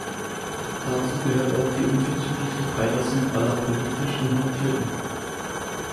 Dazu gehört auch die unverzügliche Freilassung aller politisch Inhaftierten.